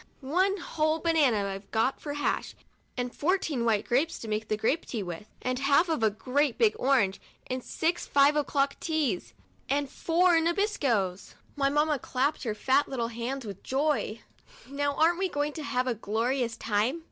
" One whole banana I've got for hash and fourteen white grapes, to make grape tea with, and half of a great big orange, and six five o'clock teas, and four Nabiscos!" My mamma just clapped her fat little hands with joy. " Now, aren't we going to have a glorious time?